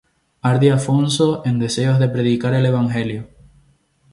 Ardía Alfonso en deseos de predicar el evangelio.